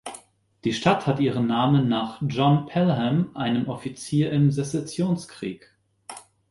Die Stadt hat ihren Namen nach John Pelham, einem Offizier im Sezessionskrieg.